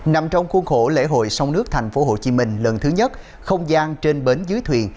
nằm trong khuôn khổ lễ hội sông nước tp hcm lần thứ nhất không gian trên bến dưới thuyền